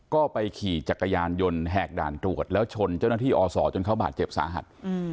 ก็ไปขี่จักรยานยนต์แหกด่านตรวจแล้วชนเจ้าหน้าที่อศจนเขาบาดเจ็บสาหัส